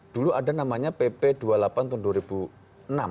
dulu ada namanya pp dua puluh delapan tahun dua ribu enam